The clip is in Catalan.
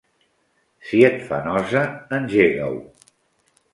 Si et fa nosa, engega-ho.